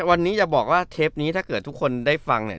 วันนี้จะบอกว่าเทปนี้ถ้าเกิดทุกคนได้ฟังเนี่ย